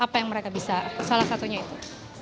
apa yang mereka bisa salah satunya itu